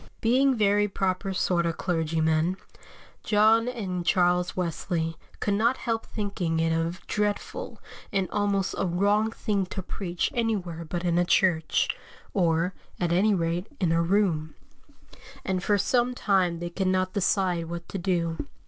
Being very proper sort of clergymen, John and Charles Wesley could not help thinking it a dreadful, and almost a wrong thing to preach anywhere but in a church, or, at any rate, in a room; and for some time they could not decide what to do.